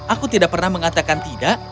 aku tidak pernah mengatakan tidak